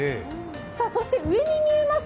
そして上に見えます